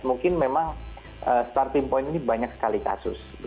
mungkin memang starting point ini banyak sekali kasus